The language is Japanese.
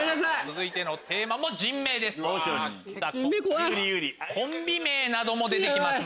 続いてのテーマも人名です。